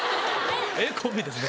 ええコンビですね。